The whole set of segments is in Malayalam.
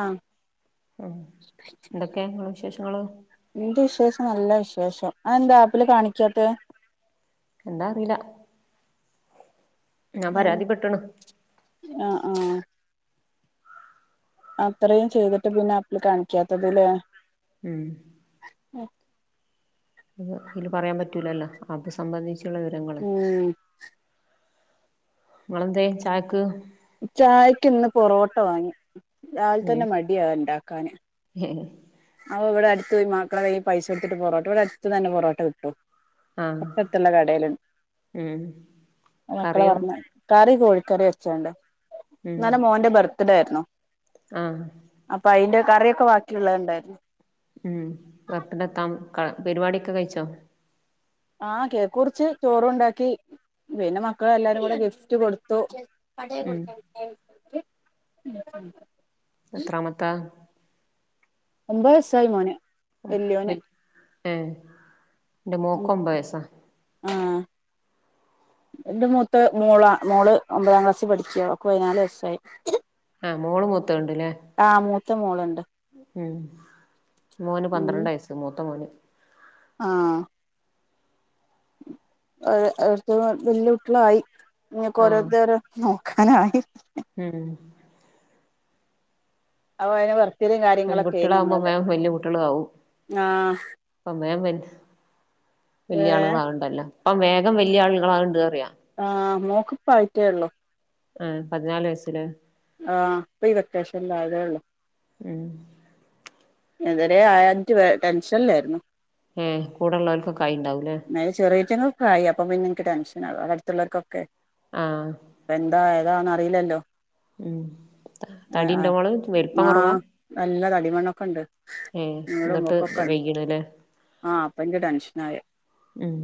ആഹ ഉം എന്തൊക്കെയാ ഇങ്ങളെ വിശേഷങ്ങള് ഇന്റെ വിശേഷ നല്ല വിശേഷം അ എന്താ ആപ്പില് കാണിക്കാത്ത എന്താ അറീല ഞാൻ ഉം പരാതിപെട്ട് ണ് ആഹ് ആഹ് അത്രയും ചെയ്തിട്ട് പിന്നെ ആപ്ൽ കാണിക്കാത്തത് ലേ ഉം അത് ഇതില് പറയാൻ പറ്റൂലല്ലോ ആപ്സംബന്ധി ഉം ങ്ങളന്തെ ചായക്ക് ചായക്ക് ഇന്ന് പൊറോട്ട വാങ്ങി രാവിൽ തന്നെ മടിയ ഇണ്ടാക്കാന് അഇവിടെഅടുത്ത് തന്നെ മക്കളെകൈയിൽ പൈസ കൊടുത്തിട്ട് പൊറാട്ടഇവിടെ അടുത്ത തന്നെ പൊറട്ട കിട്ടും ആഹ് തൊട്ടട്ത്ള്ളകടേല് ഉം അത് മക്കളെ കറിയോ പറഞ്ഞ കറി കോഴിക്കറി വച്ചേണ്ട [unintelligible] ഇന്നലെ മോന്റെ ബർത്ത് ഡേ ആയിരുന്നു ആഹ അപ്പൊ അയിന്റെ കറിയൊക്കെ ബാക്കിയുള്ളത്ണ്ട് [unintelligible] ഉം ബർത്ത്ഡേ എത്താം പരിപാടി ഒക്കെ കഴിച്ചോ ആഹ കേക്ക് മുറിച്ച് ചോറ് ഉണ്ടാക്കി പിന്നെ മക്കൾ എല്ലാരും കൂടെ ഗിഫ്റ്റ് കൊടുത്തു അതെ ഉം കുടുത്തായി [unintelligible] [unintelligible] എത്രാമത്താ ഒമ്പത് വയസ്സായി മോന് വല്യോന് ആ [inaudible] ഏ ഇന്റെ മോൾക്ക് ഒൻപത് വയസ്സാ ആ എന്റെ മൂത്ത് മോളാ മോള് ഒമ്പതാം ക്ലാസ്സിൽ പഠിച്ചാ ഒൾക്ക് പതിനാല് വയസായി മോൾ മൂ ത്തത്ണ്ട് ലെ ത്ത മോളുണ്ട് ഉം മോന് പന്ത്രണ്ട് വയസ്സ് മൂത്ത മോന് ആഹ ആ വലിയകുട്ടിയാളായി ഇഞ്ഒക്കെ ആഹ് ഓരോരുത്തർ ഓരോന്ന് നോക്കാനായി ഉം അ അയിന പറ [unintelligible] പെൺകുട്ടികളാകുമ്പോ മേം വല്യ കുട്ടികളാകും ആ അപ്പ മേം ഏ വല്യ ആളുകളാക്ണ്ടല്ലോ ഇപ്പം വേഗം വല്യ ആളുകളാക്ണ്ടറിയ ആഹ മോൾക്കിപ്പോയിട്ടേയുള്ളു ആ പതിനാല് വയസ്സില് ആഹ് ഇപ്പൊ ഈ വെക്കാഷനിൽ ആയതെ ഉള്ളു ഉം ഇതുവരെ അവാഞ്ഞിട്ട് ടെൻഷനിലായിരുന്നു ഉം കൂടെള്ളവർക്കൊക്കെ ആയിണ്ടാവൂലേ അല്ല ചെറുയിറ്റങ്ങൾ ആയി അപ്പ പിന്നെ എനിക്ക് ടെൻഷ ആവാ അടുത്തുള്ളർക്കൊക്കെ ആഹ് [unintelligible] എന്താ അതാണന്ന് അറിലല്ലോ ഉം തടി ഉണ്ടോള് വലിപ്പം കുറവാ ഏഹ് [unintelligible] എന്നിട്ട് മക്കൊക്കെ വൈകീണല്ലേ ആ അപ്പന്റെ ടെൻഷനായെ ഉം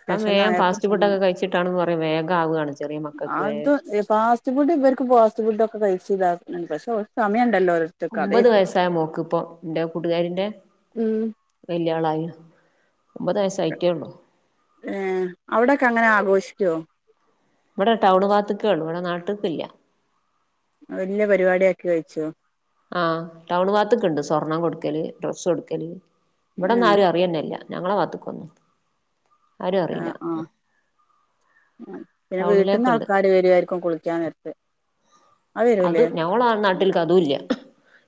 ഇപ്പം വേഗം ഫാസ്റ്റ് ഫുഡൊക്കെ കഴിച്ചിട്ടാണെന്ന് പറയും വേഗം ആവുകയാണ് ചെറിയ മക്കൾക്ക് വരെ അത് ഫാസ്റ്റ് ഫുഡ് ഇവർക്ക് ഫാസ്റ്റ് ഫുഡ്‌ ഒക്കെ കഴിച്ച് [unintelligible] ഒമ്പത് അതേക്കും വയസായ മോക്ക് ഇപ്പൊ എന്റെ കൂട്ടുകാരിന്റെ ഉം വല്യയളായി ഒമ്പത് വയസ്സായിട്ടേ ഉള്ളൂ ഏ അവിടൊക്കെ അങ്ങനെ ആഘോഷിക്കുവോ ഇവിടെ ടൗൺ ഭാത്തക്കേള്ളു ഇവിടെ നാട്ട് ക്ക് ഇല്ല വല്യ പരിപാടി ആക്കി കഴിച്ചോ ആ ടൗൺ ഭാഗത്തൊക്കെ ഇണ്ട് സ്വർണ്ണം കൊടുക്കല് ഡ്രസ്സ് കൊടുക്കല് ഇവിടെങ്ങും ഏഹ് ആരും അറിയുന്നല്ല ഞങ്ങളെ ഭാഗത്തുക്കൊന്നും ആ ആ പിന്നെ വീട്ടിന്ന് ടൗണിലേക്ക്ണ്ട് ആൾക്കാര് വരുവായിരിക്കും കുളിക്കാൻ നേരത്ത് അത് ഞങ്ങൾ ആ നാട്ടിലക്ക് അതും ഇല്ല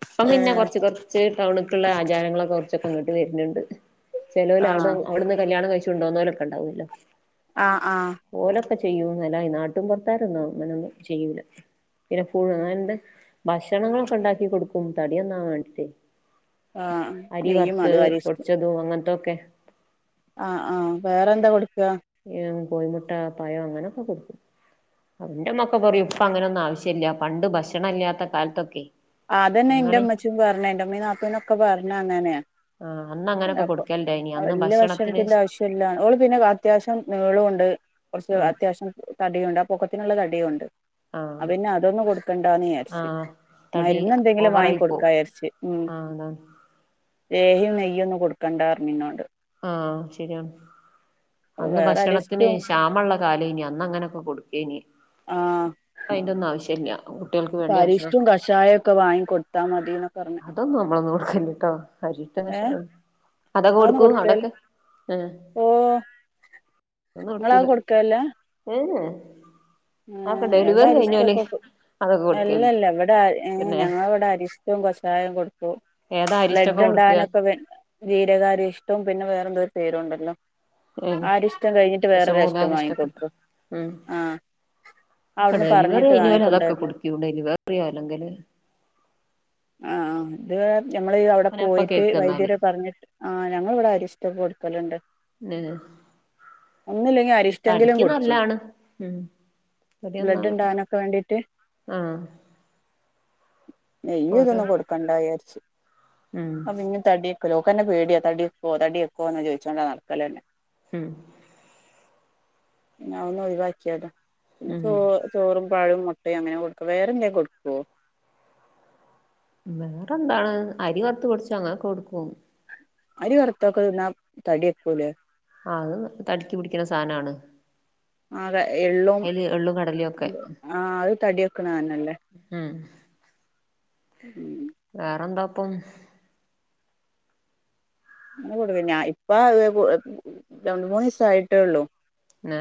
ഇപ്പം പിന്നെ ഏഹ് കൊറച്ച് കൊറച്ച് ടൗണിക്കുള്ള ആജാരങ്ങളക്കെ കുറച്ചൊക്കെ ഇങ്ങോട്ട് വരുന്നുണ്ട് ചെലോല് അവിടെ ആഹ് അവിടുന്ന് കല്യാണം കഴിച്ച് [unintelligible] ആ ആ ഇപ്പൊ ചെയ്യൂന്നല്ല ഈ നാട്ടും പുറത്താരൊന്നും അങ്ങനൊന്നും ചെയ്യൂല്ല [unintelligible] ഭക്ഷണങ്ങളൊക്കെ ഉണ്ടാക്കി കൊടുക്കും തടി നന്നാവാൻ വേണ്ടിട്ടേ ആഹ് അരി നെയ്യും വറുത്ത് അതും പൊടിച്ചതും അങ്ങനത്തെ ഓക്കെ ആ ആ വേറെന്താ കൊടു ഉം കോഴി മുട്ട പഴം അങ്ങനെയൊക്കെ കൊടുക്കും എന്റെ മക്കൾ പറയും ഇപ്പോ അങ്ങനൊന്നും ആവശ്യമില്ല പണ്ട് ഭക്ഷണം ഇല്ലാത്ത കാലത്തൊക്കെ അതന്നെ അങ്ങനെ എന്റെമ്മച്ചിയും പറഞ്ഞു എന്റമ്മീ നാത്തൂനൊക്കെ പറഞ്ഞു ആഹ് അന്ന് [unintelligible] അങ്ങനൊക്കെ അപ്പൊ കൊടുക്കലുണ്ടായിനി അന്ന് വല്ലിയ ഭക്ഷണത്തിന് ഭക്ഷണത്തിന്റെ ആവശ്യം ഇല്ല ഓള് പിന്നെ അത്യാവശ്യം നീളം ഉണ്ട് കുറച്ച് ആഹ് അത്യാവശ്യം തടിയുണ്ട് പൊക്കത്തിനുള്ള തടിയും ഉണ്ട്. ആഹ് അവന് അതൊന്നും കൊടുക്കണ്ടാന്ന് വിചാരിച്ച് ആഹ് തടി മരുന്ന് എന്തെങ്കിലും വാങ്ങി ഓവറായി കൊടുക്കാ പോവും വിചാരിച് ഉം ആഹ് അതാണ് ലോഹ്യയും നെയ്യും ഒന്നും കൊടുക്കണ്ടാർന്ന് പറഞ്ഞു ഇന്നോട് ആഹ് ശരിയാ അപ്പൊ അന്ന് വേറെ ഭക്ഷണത്തിന് അരിഷ്ടും ക്ഷാമള്ള കാലയ്ന്ന് അന്ന് അങ്ങനൊക്കെ കൊടുക്കും കെയിഞ്ഞ് ഇപ്പോ അയിന്റെ ഒന്നുംആവശ്യം ഇല്ലാ. ഇപ അരിഷ്ടവും കഷായൊക്കെ വാങ്ങി കൊടുത്താ മതിന്നാ പറഞ് [unintelligible] അരിഷ്ട കഷായുംഅതകൊടു അത് കൊടുക്കൽ ഓ അതൊന്നും നിങ്ങള് അത് കൊടുക്കൂല കൊടുക്കലില്ല [unintelligible] അതൊക്കെ ആഹ് എവിടെ ഡെലിവറി അരിഷ്ടം കഴിഞ്ഞോല് ഒക്കെ അതൊക്കെ കൊടുക്കല്ണ്ട് അല്ലല്ല ഇവിടെഏ പിന്നെ ഞങ്ങളെ ഇവിടെ അരിഷ്ടവും കഷായവും കൊടുക്കും ഏതാ അരിഷ്ടൊക്കെ ബ്ലഡ് കൊടുക്ക ഉണ്ടാവാനൊക്കെ ജിരകാ അരിഷ് ത്തും പിന്നെ വേറെന്തോരു പേരുണ്ടല്ലോ ഏഹ് ആരിഷ്ടം കഴിഞ്ഞിട്ട് വേറൊരു അരിഷ്ടം ദശമൂലാരിഷ്ടൊക്കെ ഇട്ട് വാങ്ങിക്കൊടുക്കും ഉം ആഹ് ഒക്കെ അവിടുന്ന് ഡെലിവറി പറഞ്ഞിട്ട് കഴിഞ്ഞോല്‌ അതൊക്കെ വാങ്ങിക്കൊണ്ടുവരലാ കുടിക്കൂ ഡെലിവറില്ലെങ്കില് ആ ആ അത് ഞമ്മള് അവിടെ അങ്ങനെ അപ്പ പോയിട്ട് കേക്ക ന്നാല് വൈദ്യര് പറഞ്ഞിട്ട് ആഞങ്ങൾ ഇവിടെ അരിഷ് ഇവടെകൊടുക്കലുണ്ട് തന്നെ ഒന്നുല്ലെങ്കി അരിഷ്ടെങ്കിലും തടിക്ക് കുടിച്ചും നല്ലാണ് ഉം തടി ബ്ലഡ് നന്നാവൻ ഉണ്ടാകാനൊക്കെ വേണ്ടിട്ട് ആഹ് ഓരോ നെയ്യ്ഇതൊന്നും കൊടുക്കണ്ടാ വിചാരിച്ച് ഉം അപ്പ പിന്നെതടി വെ ഒക്ക്ന്നെ പേടിയാ തടിവെക്കോ തടി വെക്കോ എന്ന് ചോദിച്ചോണ്ടാ നടക്കല്ലെന്നെ ഉം ഞാ ഒന്ന് ഒഴിവാക്കിയതാ ഇഞ്ഞ് ഉം ചോറ് ചോറും പഴുമുട്ട അങ്ങനെ കൊടുക്കാ വേറെന്തെ കൊടുക്കോ വേറെ എന്താണ് അരി വറുത്ത് പൊടിച്ച് അങ്ങനൊക്കെ കൊടുക്കും അരിവറ്ത്തതൊക്കെ തിന്നാ തടി വെക്കൂലേ ആഹ് അത് തടിക്ക് പിടിക്ണ സാധനാണ് അതെ എള്ളും കടലിം ഒക്കെ ആഹ് അത് തടി വെക്ക് ക്കണാണ്. ഉം ഉം വേറെന്താപ്പോ അ കൊടുക്ക ഞാ ഇപ്പ രണ്ട് മൂന്ന് ദിവസായിട്ടേള്ളു ആ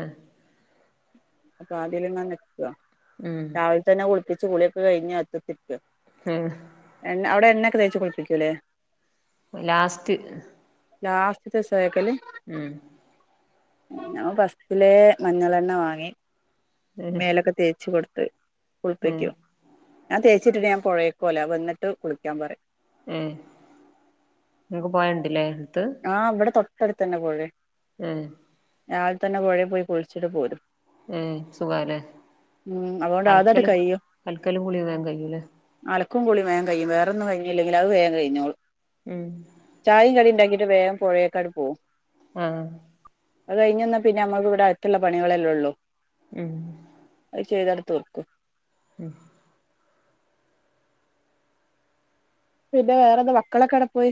അപ്പൊ അതിൽ ഇങ്ങനെ നിക്കാ ഉം രാവിലെ തന്നെ കു പ്പിച്ചു കുളി ഒക്കെ കഴിഞ്ഞ് അത്തത്തി ഉം എന്നാ അവിടെ എന്നാ ഒക്കെ തേച്ചു കുളിപ്പിക്കുലേ ലാസ്റ്റ് ലാസ്റ്റത്തെ [unintelligible] ഉം ഞാൻ ഫസ്റ്റിലെ മഞ്ഞളെണ്ണ വാങ്ങി ഉം മേലൊക്കെ തേച്ച് കൊടു [unintelligible] ഉം കുളിപ്പിക്കൂ ആ തേച്ചിട്ട് ഞാൻ പൊഴെക്ക് പോവല വന്നിട്ട് കുളിക്കാൻ പറയും. ഏ നിനക്ക് പോയ ഇണ്ട് ലെ ആ ഇവിടെ തൊട് ട്ടടുത്ത് തന്നെ പൊഴയാ. മ് രാവിലെ തന്നെ പുഴേൽ പോയി കുളിച്ചിട്ടൊക്കെ വരും. മ് സുഖായല്ലെ ഉം അതുകൊണ്ട് അതട് അലക്കലും കഴിയും അൽക്കലും കുളിയൊക്കെ വേഗം കഴിയൂലെ. ക്കും കുളീം വേം കഴിയും, വേറൊന്നും കഴിഞ്ഞില്ലെങ്കിലും അത് വേം കഴിഞ്ഞോളും. മ് ന്നെ വേഗം പുഴേയ്ക് അങ്ങട് പോവും. ആ അത് കഴിഞ്ഞന്ന പിന്നെ നമ്മുക്ക് ഇവിടെ അകത്ത്ള്ള പണികളെല്ലേ ഉള്ളൂ ഉം അത് ചെയ്തട് തീർക്കും ഉം പിന്നെ വേറെന്താ മക്കളൊക്കെ എടെ പോയി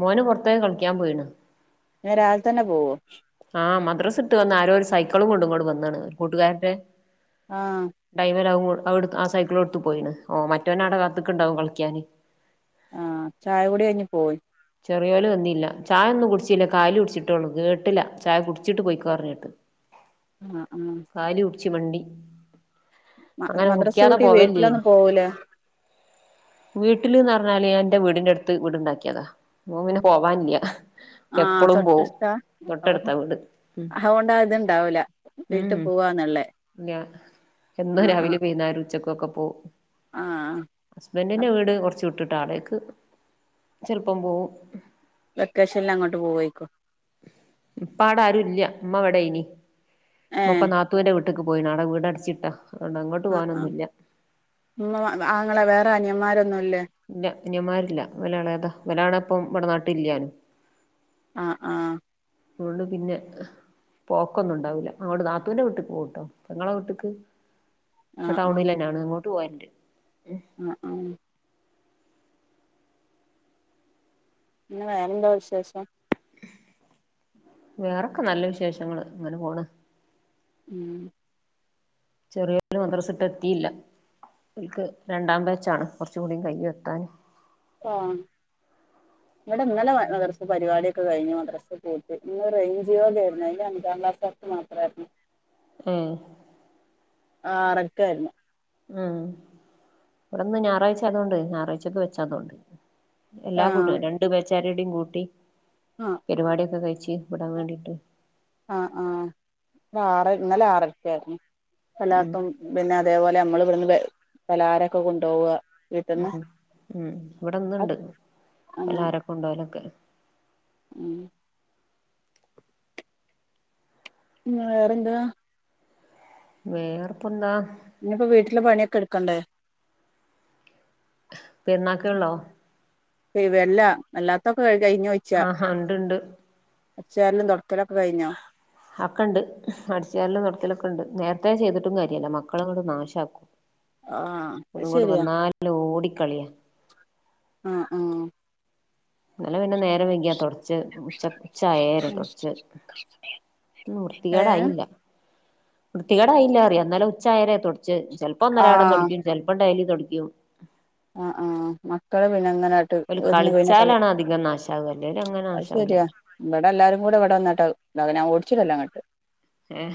മോന് പുറത്തേക്ക് കളിക്കാൻ പോയിണ് രാവിലെ തന്നെ പോവോ ആ മദ്രാസ് ഇട്ട് വന്ന ആരോ ഒരു സൈക്കിളും കൊണ്ടും ഇങ്ങോട്ട് വന്ന്ണ് കൂട്ടുകാരന്റെ ആഹ് ഡൈവ [unintelligible] അവു ആ സൈക്കിളും എടുത്തു പോയിണ് ഓ മറ്റോൻ അവടെ കാത്ക്കണ്ടാവും കളിക്കാന് ആ ചായ കൂടി കഴിഞ്ഞ് പോയി. ചെറിയോല് വന്നില്ല ചായൊന്നും കുടിച്ചില്ല കാലി കുടിച്ചിട്ടൊള്ളു കേട്ടില ചായകുടിച്ചിട്ട് പൊയ്ക്കോ റഞ്ഞിട്ട് അ ആ ച്ചു വണ്ടി മ മദ്രസ് പൂട്ടിയ വീട്ടിലൊന്നും പോവൂലെ എന്നാല് ഞാ ഇന്റെ വീടിന്റെ അടുത്ത് വീടുണ്ടാക്കിയതാ മോ പിന്നെ പോവാനില്ല ആഹ് എപ്പളും പോവും തൊട്ടടുത്താ ഓഹ് തൊട്ടെടുത്താ വീട് ഉം അതുകൊണ്ട് ഇത്ണ്ടാവൂല വീട്ടിൽ ഉംഉം പോവാന്നുള്ളേ ഇല്ല എന്നും ആഹ് രാവിലെ ആഹ് വൈന്നേരം ഉച്ചക്കൊക്കെ പോവും ഹുസ്ബന്റിന്റെ ആഹ് വീട് കുറച്ചു വിട്ട് കടേക്ക് ചെലപ്പം പോവും വെക്കേഷനിൽ അങ്ങോട്ട് പോവയിക്കോ ഇപ്പാടെ ആരും ഇല്ല ഇമ്മ ഇവടെ യിനി ഏഹ് ഇമ്മഇപ്പൊ നാത്തൂന്റെ വിട്ട നട്ട പോയി നാട വീടിച്ചിട്ടാ ആ ആ നിങ്ങ ആങ്ങളെ വേറെന മ്മാർ ഇല്ല അനിയമാരില്ല ഇവൻ എളെതാ ഇവനാണ് ഇപ്പം ഇവിടെ നാട്ടിൽ ഇല്ലാനും ആഹ് ആഹ് അതുകൊണ്ട് പിന്നെ പോക്കൊന്നും ഉണ്ടാവൂല അങ്ങോട് നാത്തുന്റെ വീട്ടിക്ക് പോവുട്ടോ ഇങ്ങളെ വീട്ടിക്ക് ടൗണിൽന്നേണ് അങ്ങോട്ട് പോരണ്ട് അ അം പിന്നെ വേറെന്താ വിശേഷം? വേറൊക്കെ നല്ല വിശേഷങ്ങൾ ഇങ്ങനെപോണ് ഉം ചെറിയോൽ മദ്രസയിട്ട് എത്തിയില്ല ഓൽക്ക് രണ്ടാം ബേച്ചാണ് കുറചൂടി കഴിയും എത്താൻ ആം ഇവിടെ ഇന്നലെ മദ്രസ പരിപാടിയൊക്കെ കഴിഞ്ഞ് മദ്രസ പോയിട്ട് ഇന്ന് റേഞ്ച്യോന്റയിരുന്നു അയിന്റെ അഞ്ചംക്ലാസ്സ്കാർക്ക് മാത്രമായിരു ഉം ആറര്ക്കായിരുന്നു ഉം ഇവിടെന്ന് ഞായറാഴ്ച ആയതോണ്ട് ഞായറാഴ്ചൊക്കെ വെച്ചാ അതൊണ്ട് ആ എല്ലാ കൂട്ടാരും രണ്ടുബേച്ചും ചരിടിം കൂട്ടി ആ പരിപാടിയൊക്കെ കഴിച്ച് വിടാൻ വേണ്ടിട്ട് ആ ആ ഇവിടെ ആറ് ഇന്നലെ ആറര്ക്ക് ആയിരുന്നു ഉം അല്ലാത്തും പിന്നെ അതേപോലെ നമ്മൾ ഇവിടുന്ന് വേ പലഹാരൊക്കെ കൊണ്ടോവാ ഉം ഉം മം ഇവടന്ന്ണ്ട് പലാഹാരം കൊണ്ടോലക്കെ ഉം പിന്നെ വേറെന്താ? വേറെപ്പന്താ ഇനിയിപ്പൊ വീട്ടില് പണിയ എടുക്കണ്ടേ? പെരുന്നക്കെയള്ളോ? ഇവല്ല അല്ലാത്ത ആഹാ ഉണ്ട്ണ്ട് അടിച്ചുവാരലും തൊ അക്കെണ്ട് അടിച്ചരെല്ലാം നടക്കലൊക്കെ ഉണ്ട് നേരത്തെ ത്തെ ചെയ്തിട്ടും കാര്യമല്ല മക്കളുംങ്ങോട് നാശമാക്കും ആഹ് അത് ഒകോട് ശരിയാ വന്നാല ഓടിക്കളിയാ ആഹ് ആഹ് നല്ല പിന്നെ നേരം വെയകിയാ തുടച്ച് ഉച്ച ഉച്ചായര് തൊടച്ച് ഏഹ് വൃത്തികേടായില്ല വൃത്തി കേടായില്ല അറിയാ അ ഇന്നലെ ഉച്ചായെരാ തൊട ചെലപ്പോ ഒന്നരാടം ആഹ് തുടക്കു ചിലപ്പം ഡൈലി തൊടിക്കും ആഹ് ആഹ് മക്കള് പിന്നെ അങ്ങനാട്ട് ഓല് ഒന്ന് വന്നകളി കളിച്ചാലാണ് അധികം നാശാവ അല്ലേല് അങ്ങനെ അത് നാശാവൂല ശരിയാ ഇവിടെ എല്ലാരു കൂടെ ഇവിടെ വന്നിട്ടാ [unintelligible] ഞ ഓടിച്ചിടലാങ്ങട്ട് ഏഹ്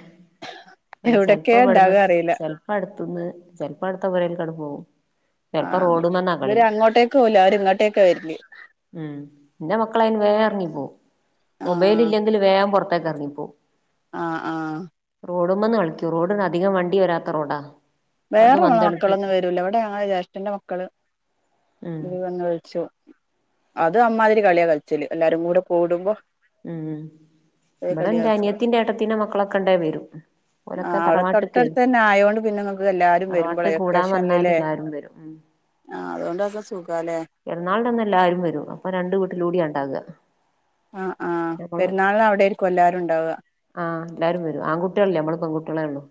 ഇവിടെ എവിടൊക്കെ ചെലപ്പോ ഇവിടുന്ന് ഇണ്ടാക അറിയില്ല ചെലപ്പോ അടുത്തുന്ന് ചെലപ്പോ അടുത്ത പോരൽക്കങ്ങട് പോകും ആഹ് ഇവര് അങ്ങോട്ടേക്ക് പോകൂല്ല അവര് ഇങ്ങോട്ടേക്കെ വരല് ഉം ന്റെ മക്കളയിന് വേറങ്ങി പോവു മൊബൈൽ ഇല്ലെങ്കി വേം പുറത്ത് താഴക്കിറങ്ങിപ്പോ ആഹ ആഹ ഓടുമ്പന്ന് കളിക്കൂ റോഡന് അധികം വണ്ടി വരാത്തറോഡാ വേറെള്ള മക്കളൊന്നും വരൂല്ല ഇവിടെ ഞങ്ങളെ ജേഷ്ഠന്റെ മക്കള് ഉം ഇത് വന്ന് കളിച്ചു അത് അമ്മാതിരി കളിയാ കളിച്ചല് എല്ലാരും കൂടെ കൂടുമ്പോ ഉം ഒരു ഇമ്പടെ കളിയാ കളിച്ചല് അനയത്തിന്റെ ഏട്ടത്തിൻ്റെ മക്കളൊക്കെ ഇണ്ടേ വരും ആ ഓരൊക്കെ അവിടെ തറവാട്ട്ക്കെ തൊട്ടടുത്ത് തന്നെ ആയോണ്ട് പിന്നെ നിങ്ങൾക്ക് എല്ലാരും വരുമ്പോളേ തറവാട്ട് കൂടാൻ വന്നാല് വെക്കേഷനിലല്ലേ എല്ലാരും വരും ഉം ആ ല്ലെ പെരുന്നാളിൻ്റന്ന് എല്ലാരും വരും അപ്പ രണ്ട് വീട്ടിലൂടെ അങ്ങാക്കും അതെ ആ ആ നമ്മള് പെരുന്നാളിന് അവിടെ ആയിരിക്കും എല്ലാരും ഉണ്ടാവുക ആഹ് എല്ലാരു വരും ആൺകുട്ടികളില്ല നമ്മള് പെൺകുട്ടികളെ ഉള്ളു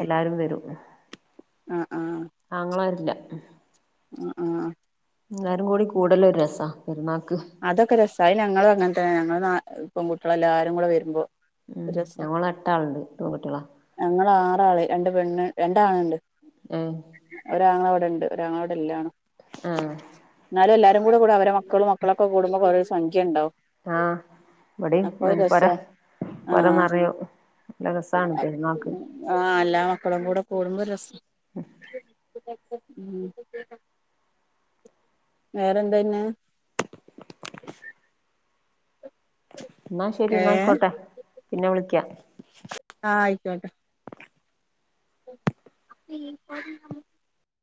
[inaudible] എല്ലാരു വരും അ ആങ്ങളാരില്ല [inaudible] അ ആഹ് എല്ലാരു കൂടി കൂടല് ഒരു രസാ പെരുന്നാ അതൊക്കെ രസ അയ് ഞങ്ങളങ്ങനെ തന്നെ ഞങ്ങ പെൺകുട്ട്യെള് എല്ലാരു കൂടെ വരുമ്പോ ഉം ഒരു രസാ ഞങ്ങൾ എട്ടാള്ണ്ട് പെൺ കുട്ട്യാളാ ആള് രണ്ട് പെണ്ണ് രണ്ടാണ്ണ്ണ്ട് ഏഹ് ഒരാങ്ങള ഉണ്ട് ഒരാങ്ങളടല്യാണം ആഹ് എന്നാലും എല്ലാരും കൂടെ കൂടെ അവര മക്കളും മ മക്കളൊക്കെ കൂടുമ്പോൾ ഒരു സംഖ്യ ഉണ്ടാവും ആഹ് ഇവിടെയും അപ്പൊ ഒരു അങ്ങനെ പൊര രസാ ആ പൊര നിറയും നല്ല രസമാണ് പെരുന്നാക്ക് ആ എല്ലാ മക്കളും കൂടെ കൂടുമ്പോൾ രസം [unintelligible] ഉം വേറെന്താപിന്നെ [unintelligible] എന്നാ ശരി എന്ന ഏഹ് ആയിക്കോട്ടെ പിന്നെ വിളിക്കാം കോട്ടെ [unintelligible]